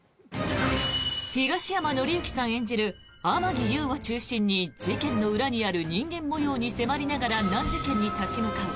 東山紀之さん演じる天樹悠を中心に事件の裏にある人間模様に迫りながら難事件に立ち向かう